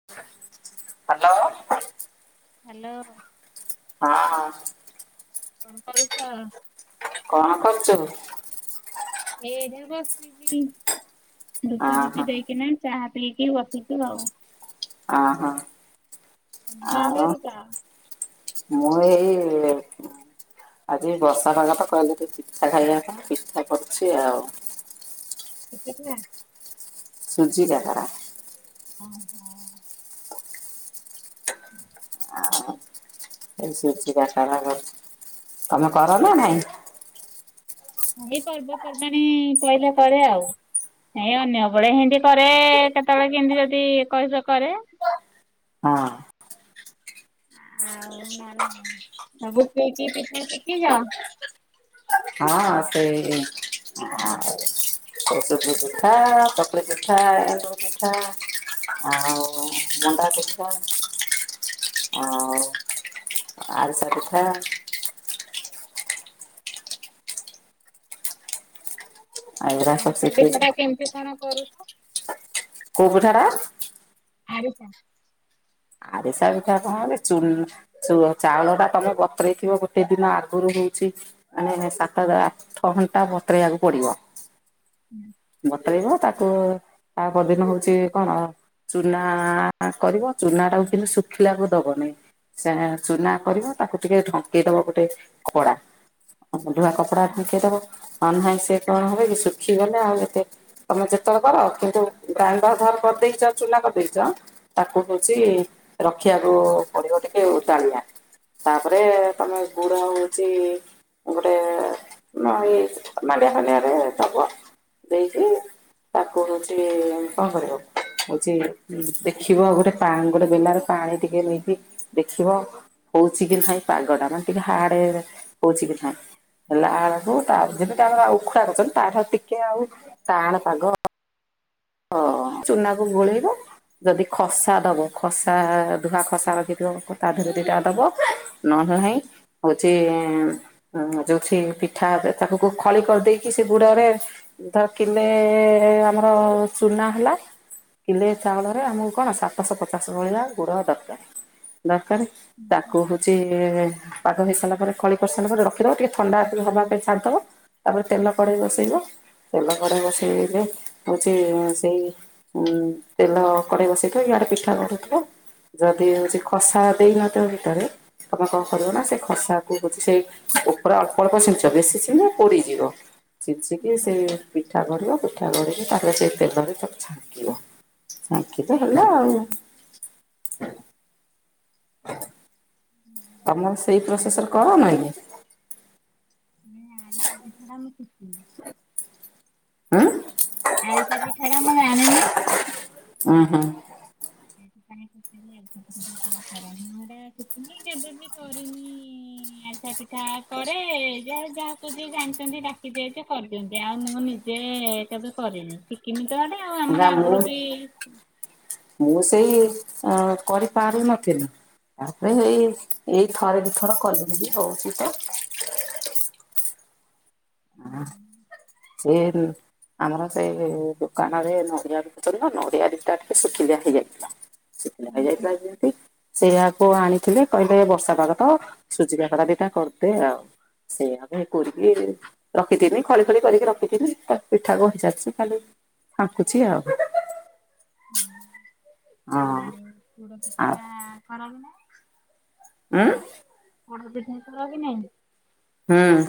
Hello. Hello. ହଁ। କଣ କରୁଛ? କଣ କରୁଛୁ? ଏଇଟା ବସିଛି ଧୂପ ଅହଁ ଧୂପି ଦେଇକିନା। ଚାହା ପିଇକି ବସିଛୁ ଆଉ। ଆ ହଁ। ହଁ କଣ କରୁଛ? ମୁଁ ଏଇ ଆଜି ବର୍ଷା ଭାଗ ତ କହିଲେ ଟିକେ ପିଠା ଖାଇବା ପାଇଁ ପିଠା କରୁଛି ଆଉ। କି ପିଠା? ସୁୂଜି କାକରା। ଓ ହୋ। ହୁଁ। ଏଇ ସୁଜି କାକରା କରୁଛି ତମେ କର ନାଁ ନାଇଁ? ଏଇ ପର୍ବପର୍ବାଣିୀ ପଇଲେ କରେ ଆଉ। ଏଇ ଅନ୍ୟ ବଳେ ହେଇତି କରେ କେତେବେଳେ କେମିତି ଯଦି କହିବ କରେ। ହଁ। [unintelligible] ହଁ ହଁ ସେଇ ଆଉ ଏ ସୁଜି ପିଠା ଚକୁଳି ପିଠା ଏଣ୍ଡୁରି ପିଠା। ଆଉ ମଣ୍ଡା ପିଠା ଆ ଆରିଶା ପିଠା ଏଗୁରା ସବୁ ଆରିସା ଶିଖିଛି। ପିଠା ଟା କେମିତି କଣ କରୁଛ? କୋଉ ପିଠା ଟା? ଆରିସା। ଆରିସା ପିଠା ପାଇଁ ହେଲେ ଚୂଲ୍ [unintelligible] ଚାଉଳ ଟା ତମେ ବତୁରେଇଥିବ ଗୋଟେ ଦିନ ଆଗରୁ ହଉଛି ମାନେ ସାତ ଆଠ ଘଣ୍ଟା ବତୁରେଇବାକୁ ପଡ଼ିବ। ହୁଁ। ବତୁରେଇବ ତାକୁ ତା ପରଦିନ ହଉଚି କଣ ଚୁନା ଆ-ଆ କରିବ ଚୁନା ଟାକୁ କିନ୍ତୁ ଶୁଖିଲାକୁ ଦବନି ସେ ଏଁ ଚୁନା କରିବ ତାକୁ ଟିକେ ଢଙ୍କେଇ ଦବ ଗୋଟେ ଖଡ଼ା ଆଉ ଧୁଆ କପଡ଼ା ହୁଁ, ଢଙ୍କେଇ ଦବ ନହେଲେ ନାହିଁ ସେ କଣ ହବ କି ଶୁଖିଗଲେ ଆଉ ଏତେ ତମେ ଯେତେଅଳେ କର କିନ୍ତୁ ଗ୍ରାଇଣ୍ଡର ଧର କରି ଦେଇଚ ଚୁନା କରିଦେଇଚ ତାକୁ ହଉଚି ରଖିଆକୁ ପଡ଼ିବ ଟିକେ ଓଦାଳିଆ। ତାପରେ ତମେ ଗୁଡ଼ ହଉଚି ଗୋଟେ ମ ଇଏ ମାଣ୍ଡିଆ ଫାଣ୍ଡିଆ ରେ ଦବ ଦେଇକି ତାକୁ ହଉଚି କଣ କରିବା ହଉଚି ଦେଖିବ ଗୋଟେ ପା ଗୋଟେ ବେଲାରେ ପାଣି ଟିକେ ନେଇକି ଦେଖିବ। ହଉଚି କି ନାହିଁ ପାଗଟା ମାନେ ଟିକେ ହାଡ ହଉଚି କି ନାଇଁ ହେଲା ଆଳ ହୁଁ ତାର ଯେବିକା ଆମର ଉଖୁଡ଼ା କଛନ୍ତି ତା ଠାରୁ ଟିକେ ଆଉ ଟାଣେ ପାଗ। ଅ ଚୁନାକୁ ଗୋଳେଇବ। ଯଦି ଖସା ଦବ ଖସା ଧୁଆ ଖସା ରଖିଥିବ ତା ଦିହରୁ ଦିଟା ଦବ। ନହେଲେ ନାଇଁ ହୋଉଚି ହୁଁ ଯୋଉଛି ପିଠା ତାକୁ ଖଳି କରିଦେଇକି ସେ ଗୁଡ଼ରେ ଧ କିଲେ ଆମର ଚୁନା ହେଲା କିଲେ ଚାଉଳରେ ଆମକୁ କଣ ସାତଶ ପଚାଶ ଭଳିଆ ଗୁଡ଼ ଦରକାର। ଦରକାରେ ହୁଁ, ତାକୁ ହୁ ଚି ପାଗ ହେଇ ସାରିଲା ପରେ ଖଳି କରିସାରିଲା ପରେ ରଖିଦବ ଟିକେ ଥଣ୍ଡା ହବା ପାଇଁ ଛାଡ଼ି ଦବ। ତାପରେ ତେଲ କଡ଼େଇ ବସେଇବ ତେଲ କଡ଼େଇ ବସେଇକି ହୋଉଚି ଉଁ ସେଇ ଉଁ ତେଲ କଡ଼େଇ ବସେଇଥିବ ଇଆଡ଼େ ପିଠା ଗଢ଼ୁଥିବ। ଯଦି ହଉଚି ଖସା ଦେଇନଥିବ ଭିତରେ ତମେ କଣ କରିବ ନା ସେ ଖସାକୁ ହୋଉଚି ସେଇ ଉପରେ ଅଳ୍ପ ଅଳ୍ପ ଛିଞ୍ଚ ବେଶି ଚିଞ୍ଚିଲେ ପୋଡ଼ି ଯିବ। ହୁଁ, ଚିଞ୍ଚିକି ସେ ପିଠା ଗଢ଼ିବ ପିଠା ଗଢ଼ିକି ତାପରେ ଚେ ତେଲରେ ତାକୁ ଛାଙ୍କିବ ଛାଙ୍କିଲେ ହେଲା ଆଉ। ତମର ସେଇ ହୁଁ। ପ୍ରୋସେସରେ କର ନାଇଁ କି? ନା ଆରିସା ପିଠାଟା ମୁ ଶିଖିନି। ଆଁ? ଆରିସା ପିଠାଟା ମୁ ଆଣିନି। ଉଁ ହୁଁ। ସେଇଥି ପାଇଁ ପଚାରିଲି ଆରିସା ପିଠାଟା କେ ମି କରାଯାଏ ମୁ ସେରା ସିଖିନି କେବେ ବି କରିନି ଆରିସା ପିଠା। କରେ ଯାହାର ଯାହାକୁ ଯିଏ ଜାଣିଚନ୍ତି ଡ଼ାକିଡିଏ ଯେ କରିଦିଅନ୍ତି ଆଉ ମୁଁ ନିଜେ କେବେ କରିନି। ଶିକିନି ତ ହେଟା ଆଉ ନା ଆମର ମୁଁ ଆଗରୁ କି ମୁଁ ସେଇ ଅ କରିପାରୁନଥିଲି। ତାପରେ ଏଇ ଏଇ ଥରେ ଦି ଥର କଲିନି କି ହୋଉଚି ତ। ହଁ ଚେରୁ ଆମର ସେ ଦୋକାନରେ ନଡ଼ିଆ ବିକୁଥୁଲୁ ନା ନଡ଼ିଆ ଦିଟା ଟିକେ ଶୁଖିଲିଆ ହେଇଯାଇଥିଲା। ଶୁଖିଲା ଯୋଉ ହେଇଯାଇଥିଲା ଯଦି ସେଇଆକୁ ଆଣିଥିଲେ କହିଲେ ବର୍ଷା ପାଗ ତ ସୁଜି କାକରା ଦିଟା କରିଦେ ଆଉ। ସେଇଆ କୁ ଏ କୋରିକି ରଖିଥିନି ଖଳି ଖଳି କରିକି ରଖିଥିନି ତା ପିଠା ଗଢ଼ି ସାରିଚି ଖାଲି ଫାଙ୍କୁୁଛି ଆଉ। ହୁଁ। ହଁ। ଆଉ ପୋଡ଼ପିଠା କରନ୍ତି ନା? ଉଁ? ପୋଡ଼ପିଠା କର କି ନାଇଁ? ହୁଁ।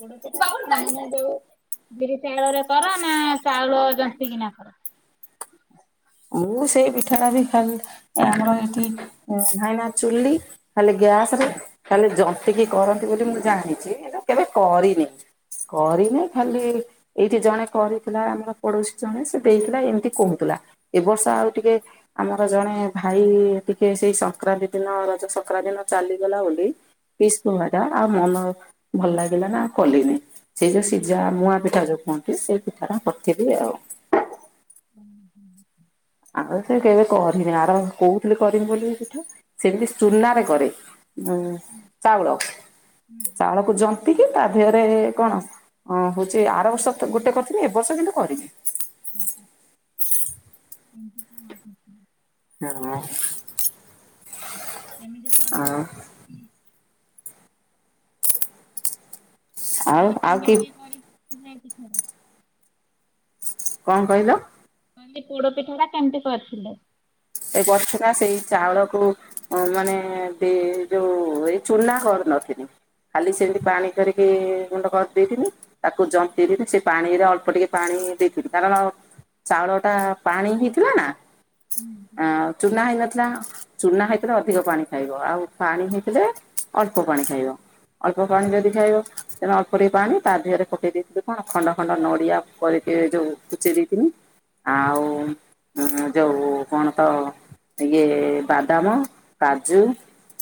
ପୋଡ଼ ପିଠାଟା କଣ ମାନେ ମୁଁ ଯୋଉ ବିରି ଚାଉଳରେ କର ନା ଚାଉଳ ଯନ୍ତିକିିନା କର? ମୁଁ ସେଇ ପିଠାଟା ବି ଖା ଆମର ଏଇଠି ନାହିଁନା ଚୁଲି ଖାଲି ଗ୍ୟାସ ରେ ଖାଲି ଜନ୍ତିକି କରନ୍ତି ବୋଲି ମୁଁ ଜାଣିଛି ଏଟା କେବେ କରିନି। କରିନି ଖାଲି ଏଇଠି ଜଣେ କରିଥିଲା ଆମର ପଡୋଶୀ ଜଣେ ସେ ଦେଇଥିଲା ଏମିତି କହୁଥିଲା ଏ ବର୍ଷ ଆଉ ଟିକେ ଆମର ଜଣେ ଭାଇ ଟିକେ ସେଇ ସଂକ୍ରାନ୍ତି ଦିନ ରଜ ସଂକ୍ରାନ୍ତି ଦିନ ଚାଲିଗଲା ବୋଲି ବିଷ୍ଣୁ ଭାଇଟା ଆଉ ମନ ଭଲ ଲାଗିଲାନା ଆଉ କଲିନି। ସେଇ ଯୋଉ ସିଜା ମୁୂଆଁ ପିଠା ଯୋଉ କୁହନ୍ତି ସେଇ ପିଠା ଟା କରଥିଲି ଆଉ। ଓ ହଁ। ଆମ ସେ କେବେ କରିନି ଆର କହୁଥିଲି କରିମି ବୋଲି ପିଠା ସେମିତି ସୁନାରେ କରେ। [unintelligible] ଚାଉଳ କେମିତି ଚାଉଳ କୁ ଜନ୍ତିକି ତା ଦେହରେ କଣ ଅ, ହଉଛି ଆର ବର୍ଷ କେ-ଗୋଟେ କରିଥିଲି। ଏ ବର୍ଷ କିନ୍ତୁ କରିନି। ହଁ, ହଁ [inaudible] ହଁ। କେମିତି ଆଉ କରିଥିଲେ? ଆଉ ତୋମେ ଆଉ କି କେମିତି କରି ଯାଇକି ଖର? କଣ କହିଲ? କହିଲି ପୋଡ ପିଠା ଟା କେମିତି କରିଥିଲେ? ଏ କରଥିଲା ସେଇ ଚାଉଳକୁ ଅଁ, ମାନେ ଦେ-ଯୋଉ ଏଇ ଚୁନା କରିନଥି ନି, ଖାଲି ସେମିତି ପାଣି କରିକି ଗୁଣ୍ଡ କରି ଦେଇଥିନି। ତାକୁ ଜନ୍ତିଥିନି ସେ ପାଣିରେ ଅଳ୍ପ ଟିକେ ପାଣି ଦେଇଥିନି, କାରଣ ଚାଉଳ ଟା ପାଣି ହେଇଥିଲା ନା, ହୁଁ ଆଉ ଚୁନା ହେଇନଥିଲା। ଚୁନା ହେଇଥିଲେ ଅଧିକ ପାଣି ଖାଇବ। ଆଉ ପାଣି ହେଇଥିଲେ ଅଳ୍ପ ପାଣି ଖାଇବ। ଅଳ୍ପ ପାଣି ଯଦି ଖାଇବ, ତେଣୁ ଅଳ୍ପ ଟିକେ ପାଣି ତା ଦେହରେ ଫୁଟେଇ ଦେଇଥିଲୁ କଣ ଖଣ୍ଡ ଖଣ୍ଡ ନଡ଼ିଆ କରିକି ଯୋଉ କୁଚେଇ ଦେଇଥିନି ଆଉ ଅଁ, ଯୋଉ କଣ ତ ଇଏ ବାଦାମ, କାଜୁ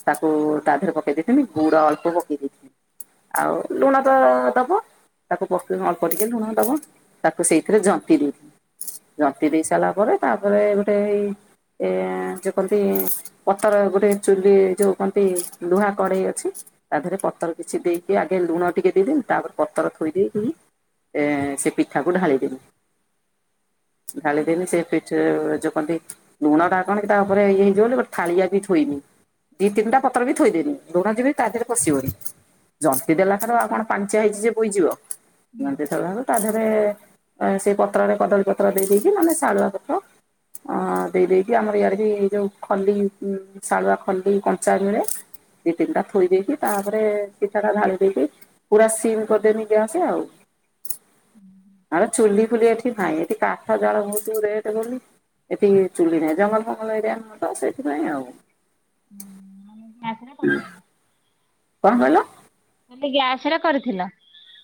ତାକୁ ତା ଦେହରେ ପକେଇ ଦେଇଥିନି, ଗୁଡ ଅଳ୍ପ ପକେଇ ଦେଇଥିନି। ଆଉ ଲୁଣ ତ ଦବ, ତାକୁ ପକେଇବ ଅଳ୍ପ ଟିକେ ଲୁଣ ଦବ। ତାକୁ ସେଇଥିରେ ଜନ୍ତି ଦେଇଥିନି, ଜନ୍ତି ଦେଇ ସାରିଲା ପରେ ତାପରେ ଗୋଟେ ଏଇ ଏ ଯେ କନ୍ତି ପତର ଗୋଟେ ଚୁଲି ଯୋଉ କହନ୍ତି ଲୁହା କଢେଇ ଅଛି। ତା ଦେହରେ ପତର କିଛି ଦେଇକି ଆଗେ ଲୁଣ ଟିକେ ଦେଇଦେନି, ତାପରେ ପତର ଥୋଇ ଦେଇକି ଏ ସେ ପିଠାକୁ ଢାଳିଦେନି। ଢାଳିଦେନି ସେ ପିଠ ଯୋ କଣ ତି ଲୁଣ ଟା କଣ କି ତାପରେ ଇଏ ହେଇଯିବ ବୋଲି ଗୋଟ ଥାଳିଆ ବି ଥୋଇନି। ଦି ତିନିଟା ପତ୍ର ବି ଥୋଇଦେନି ଲୁଣ ଯିବି ତା ଦେହରେ ପଶିବନି। ଜନ୍ତି ଦେଲା ଠାରୁ ଆଉ କଣ ପାଣିଚିଆ ହେଇଛି ଯିଏ ବୋଇଯିବ। ହୁଁ ଲୁଣ ଟିକେ ଥୁଆ ହବ ତା ଦେହରେ ଅ, ସେଇ ପତ୍ରରେ କଦଳୀ ପତ୍ର ଦେଇ ଦେଇ ଦେଇକି ମାନେ ଶାଳୁଆ ପତ୍ର। ଅ, ଦେଇ ଦେଇ ଦେଇକି ଆମର ଇଆଡେ ବି ଏଇ ଯୋଉ ଖଲି ଉଁ, ଶାଳୁଆ ଖଲି କଞ୍ଚା ମିଳେ। ଦି ତିନିଟା ଥୋଇ ଦେଇକି ତାପରେ ପିଠାଟା ଢାଳି ଦେଇକି ପୁରା ସିମ୍ କରିଦେନି ଗ୍ୟାସ ଆଉ। ହୁଁ। ଆମ ଚୁଲି ଫୁଲି ଏଠି ନାଇଁ, ଏଠି କାଠ ଜାଳ ଭଉତୁ ରେଟ୍ ବୋଲି ଏଠି ଚୁଲି ନାହିଁ, ଜଙ୍ଗଲ ଫଙ୍ଗଲ ଏରିଆ ନୁହଁ ତ ସେଇଥିପାଇଁ ଆଉ। ହୁଁ ମାନେ ଗ୍ୟାସ୍ ରେ କରିଥିଲ? କଣ କହିଲ? ହେଲେ ଗ୍ୟାସ୍ ରେ କରିଥିଲ?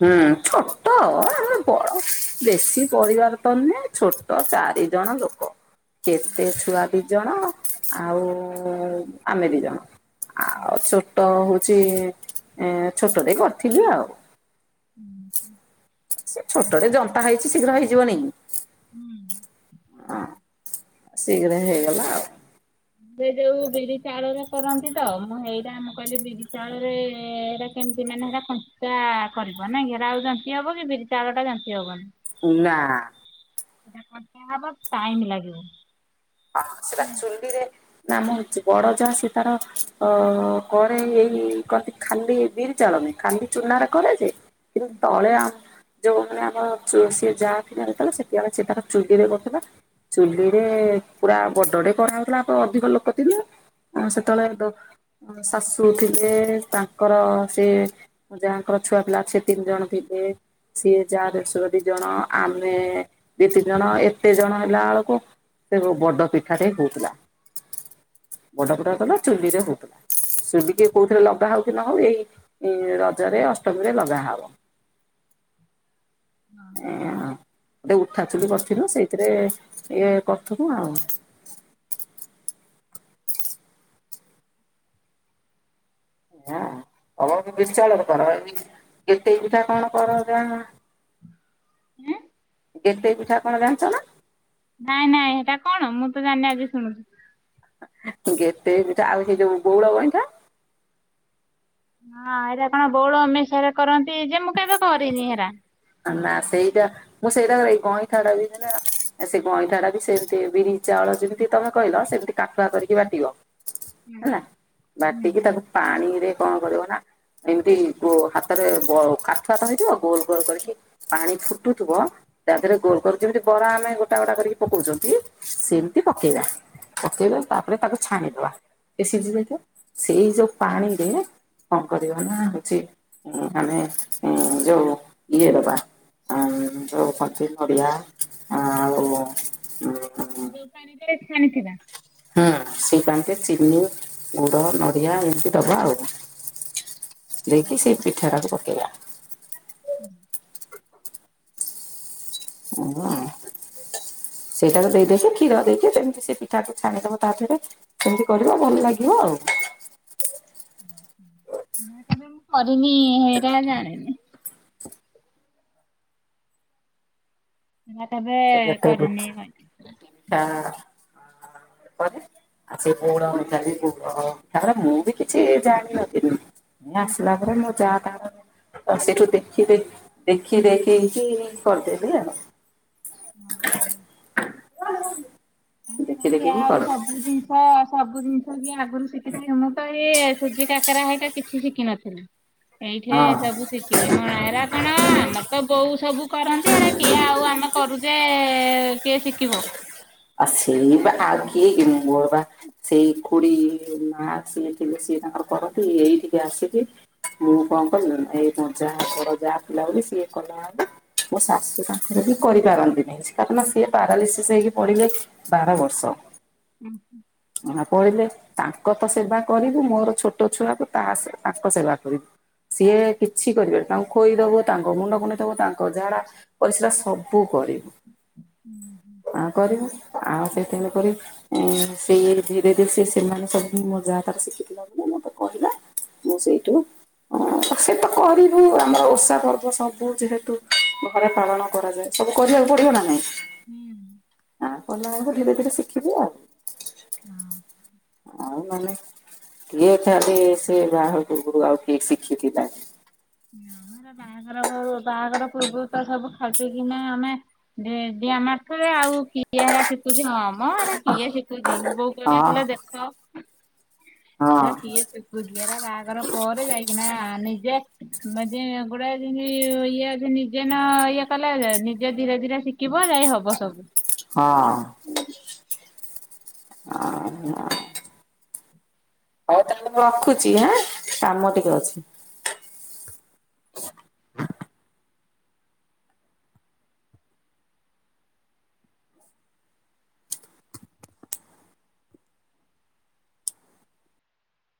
ହଁ ଛୋଟ ଆମେ ବଡ଼ ବେଶୀ ପରିବାର ତ ନୁହେଁ, ଛୋ ଟ ଚାରି ଜଣ ଲୋକ। କେତେ ଛୁଆ ଦି ଜଣ ଆଉ ଆମେ ଦି ଜଣ। ଆଉ ଛୋଟ ହଉଚି ଏଁ ଛୋଟ ଟେ କରିଥିଲି ଆଉ। ଅଁ, ହଁ। ସେ ଛୋଟଟେ ଜନ୍ତା ହେଇଛି ଶୀଘ୍ର ହେଇଯିବନିକି। ହୁଁ। ଶୀଘ୍ର ହେଇଗଲା ଆଉ। ସେ ଯୋଉ ବିରି ଚାଉଳରେ କରନ୍ତି ତ, ମୁଁ ହେଇଟା ମୁଁ କହିଲି ବିରି ଚାଉଳରେ କେମିତି ମାନେ ହେଟା କଞ୍ଚା କରିବ ନା ଘେରା ଆଉ ଜନ୍ତି ହବ କି, ବିରି ଚାଉଳଟା ଜନ୍ତି ହବନି। ନା। ସେଇଟା କଣ ହବ ଟାଇମ୍ ଲାଗିବ। ହଁ ସେଟା ଉଁ ଚୁଲିରେ ନାମ ହଉଛି ବଡ ଯା ସେ ତାର ଅ କରେ ଏଇ କଅନ୍ତି ଖାଲି ବିରି ଚାଉଳରେ ଖାଲି ଚୁନାରେ କରେ ଯେ, କିନ୍ତୁ ତଳେ ଆ ଯୋଉମାନେ ଆମ ସିଏ ଯାଆ ଥିଲା ଯେତେବେଳେ, ସେତିକିବେଳେ ସେ ତାର ଚୁଲିରେ କରୁଥିଲା। ଚୁ୍ଲିରେ ପୁରା ବଡଡେ କରା ହୋଉଥିଲା ତ ଅଧିକ ଲୋକ ଥିଲେ, ଆ ସେତେବେଳେ ଦ ଶାଶୁ ଥିଲେ, ତାଙ୍କର ସେ ମୋ ଯାଆଙ୍କର ଛୁଆ ପିଲା ସେ ତିନି ଜଣ ଥିଲେ। ସିଏ ଯାଆ ଦେଢଶୁର ଦି ଜଣ, ଆମେ ଦି ତିନି ଜଣ ଏତେ ଜଣ ହେଲା ବେଳକୁ ସେ ବଡ ପିଠାଟେ ହଉଥିଲା। ବଡ ପିଠା ହଉଥିଲା, ଚୁଲିରେ ହଉଥିଲା। ଚୁଲି କି କୋଉଥିରେ ଲଗା ହଉ ଥିଲା ହଉ ଏଇ ରଜରେ, ଅଷ୍ଟମୀରେ ଲଗା ହବ। ଏଇଆ ଆଉ, ଗୋଟେ ଉଠା ଚୁଲି କରିଥିଲୁ ସେଇଥିରେ ଇଏ କରୁଥିଲୁ ଆଉ। ଏଇଆ ଆଉ ତମର କଣ ବିରି ଚାଉଳରେ କର? ଏ ଗେଟେଇ ପିଠା କଣ କର ଯା ଏଁ। ଗେଟେଇ ପିଠା କଣ ଜାଣିଛ ନା? ନାଇଁ ନାଇଁ ହେଟା କଣ? ମୁଁ ତ ଜାଣିନି ଆଜି ଶୁଣୁଛି। ଗେଟେଇ ପିଠା, ଆଉ ସେଇ ଯୋଉ ବଉଳ ଗଇଁଠା ହଁ ଏରା କଣ ବଉଳ ଅମେଇସାରେ କରନ୍ତି, ଯେ ମୁଁ କେବେ କରିନି ହେରା? ନା ସେଇଟା ମୁଁ ସେଇଟା କଣ ଇ ଗଇଁଠାଟା [unintelligible] ଆ ସେ ଗଇଁଠା ଟା ବି ସେମିତି ବିରି ଚାଉଳ ଯେମିତି ତମେ କହିଲ, ସେମିତି କାଠୁଆ କରିକି ବାଟିବ। ହେଲା ବାଟିକି ତାକୁ ପାଣି ରେ କଣ କରିବ ନା, ଏମିତି ହାତରେ କାଠୁଆ ତ ହେଇଥିବ ଗୋଲ କରିକି ପାଣି ଫୁ ଫୁଟୁଥିବ ତାପରେ ଗୋଲ ଗୋଲ୍ କରି, ଯେମିତି ବରା ଆମେ ଗୋଟା ଗୋଟା କରିକି ପକଉଛନ୍ତି ସେମିତି ପକେଇବା, ପକେଇଲେ ତାପରେ ତାକୁ ଛାଣିଦବା। ସେ ସିଝି ଯାଇଥିବ। ସେଇ ଯୋଉ ପାଣିରେ ନା କଣ କରିବା ନା ହଉଛି ହଁ ମାନେ ଯୋଉ ଇଏ ଦବା ଆ ଯୋଉ ପାତି ନଡିଆ ଆଉ ଯୋଉ ପାଣି ଟାରେ ଛାଣି ଥିବା ହଁ ସେଇ ପାଣିରେ ଚିନି ଗୁଡ ନଡିଆ ଏମିତି ଦବା ଆଉ, ଦେଇକି ସେଇ ପିଠା ଟାକୁ ପକେଇବା। ଉଁ। ହ ସେଇଟାକୁ ଦେଇଦେଇକି କ୍ଷୀର ଦେଇକି, ସେମିତି ସେ ପିଠାକୁୁ ଛାଣିଦବ ତା ଧେରେ। ସେମତି କରିବ, ଭଲ ଲାଗିବ ଆଉ। ନା କେବେ ମୁଁ କରିନି ହେରା ଜାଣିନି। ନା କେବେ କରିନି [unintelligible] ଟା ପରେ ସେ [unintelligible] ପୋ ତାପରେ ମୁଁ ବି କିଛି ଜାଣିନଥିଲି। ମୁଁ ଆସିଲା ପରେ ମୁଁ ଯା ତାଙ୍କର। ଆଉ ସେଇଠୁ ଦେଖିଦେଖି, ଦେଖିଦେଖିି କି କରିଦେବି ଆଉ। ହୁଁ। [unintelligible] ଦେଖି [unintelligible] ଦେଖିକି ଆଉ କରେ ସବୁ ଜିନିଷ ସବୁ ଜିନିଷ ବି ଆ ଆଗରୁ ଶିଖିଥାଏ ମୁଁ ତ ଏଇ ସୁଜି କାକରା ହେରିକା କିଛି ଶିଖିିନଥିଲି। ଏଇଠେ ହଁ ସବୁ ଶିଖିଲି ମ ହେରା କଣ ଆମର ତ ବୋଉ ସବୁ କରନ୍ତି ହେରା କିଏ ଆଉ ଆମେ କରୁଚେ କିଏ ଶିଖିବ? ଆଉ ସେଇ ବା ଆଉ କିଏ କି ମୋର ବା ସେଇ ଖୁଡି ମା ଆସିଲେ ସିଏ ତାଙ୍କର କରନ୍ତି ଏଇଠିକେ ଆସିବେ ମୁଁ କଣ କଲି ଏଇ ଯାହା ଘର ଯାହା ପିଲା ବୋଲି ସିଏ କଲା। ମୋ ଶାଶୁ ତାଙ୍କର ବି କରିପାରନ୍ତିନି କାରଣ ସିଏ ପାରାଲିସିସ୍ ହେଇକି ପଡିଲେ। ବାର ବର୍ଷ। ହୁଁ। ମା ପଡିଲେ ତାଙ୍କ ତ ସେବା କରିବୁ ମୋର ଛୋଟ ଛୁଆକୁ ତା ତାଙ୍କ ସେବା କରିବୁ। ସିଏ କିଛି କରିବେନି ତାଙ୍କୁ ଖୋଇଦବୁ ତାଙ୍କ ମୁଣ୍ଡ କୁଣ୍ଡେଇଦବୁ ତାଙ୍କ ଝାଡା ପରିଶ୍ରା ସବୁ କରିବୁ। [inaudible] ଆଉ କରିବୁ ଆଉ ସେଇଥିରେ କରି ସେଇ ଇଏରେ ଧୀରେ ଧୀରେ ସେ ସେମାନେ ସବୁ ମୋ ଯାଆ ତାର ଶିଖିଥିଲା ସିଏ ମତେ କହିଲା। ମୁଁ ସେଇଠୁ ହଁ ସେ ତ କରିବୁ ଆମର ଓଷା ପର୍ବ ସବୁ ଯେହେତୁ ଘରେ ପାଳନ କରାଯାଏ। ସବୁ କରିବାକୁ ପଡିବ ନା ନାଇଁ। ହୁଁ। ଆଁ କଲାବେଳକୁ ଧୀରେ ଧୀରେ ଶିଖିବବୁ ଆଉ। ହଁ। ଆଉ ମାନେ କିଏ ଖାଲି ସେ ବାହାଘର ପୂର୍ବରୁ ଆଉ କିଏ ଶିଖିକି ଯାଏ। ଆମର ବାହାଘର ବାହାଘର ପୂର୍ବରୁ ତ ସବୁ ଖଟି କିନା ଆମେ ଡିଏ ଡିଆଁ ମାରୁଥିବେ ଆଉ କିଏ ହରା ଶିଖୁଛି ହଁ ମ ହେଇରା ହଁ କିଏ ଶିଖୁଛି ବୋଉ କହିବେ ପିଲା ଦେଖ ହଁ। ଗୁଜିଆରେ ବାହାଘର ପରେ ଯାଇକିନା ନିଜେ ମେଜେଗୁଡା ଯେମତି ଇଏ ଅ ନିଜେ ନ ଇଏ କଲେ ନିଜେ ଧୀରେ ଧୀରେ ଶିଖି- କିଭ ଯାଇ ହବ ସବୁ। ହଁ। ଆହାଁ। ରଖୁଛି ଏଁ କାମ ଟିକେ ଅଛି।